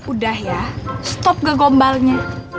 udah ya stop ke gombalnya